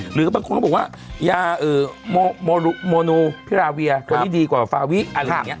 หรือบางคนเขาบอกว่ายาโมนูพิราเวียตัวนี้ดีกว่าฟาวิอะไรอย่างนี้